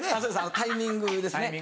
タイミングですね